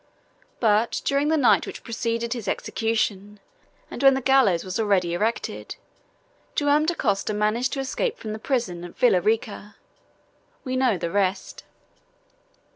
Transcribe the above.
But during the night which preceded his execution, and when the gallows was already erected, Joam Dacosta managed to escape from the prison at Villa Rica. We know the rest.